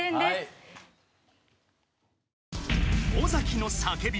［尾崎の叫び。